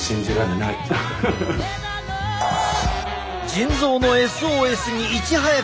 腎臓のＳＯＳにいち早く気付き